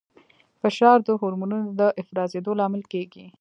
فشار د هورمونونو د افرازېدو لامل کېږي.